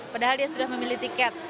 padahal dia sudah memilih tiket